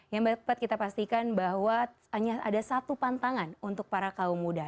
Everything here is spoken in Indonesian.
yang kita pastikan bahwa hanya ada satu pantangan untuk para kaum muda